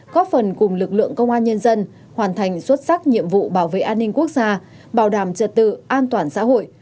góp phần cùng lực lượng công an nhân dân hoàn thành xuất sắc nhiệm vụ bảo vệ an ninh quốc gia bảo đảm trật tự an toàn xã hội